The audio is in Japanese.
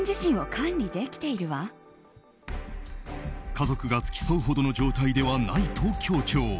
家族が付き添うほどの状態ではないと強調。